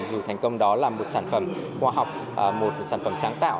dù thành công đó là một sản phẩm khoa học một sản phẩm sáng tạo